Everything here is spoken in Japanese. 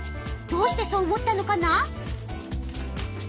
どうしてそう思ったのかな？